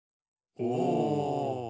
お！